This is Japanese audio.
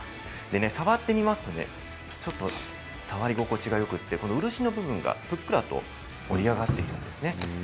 触ってみますと触り心地がよくて漆の部分がぷっくらと盛り上がっているんです。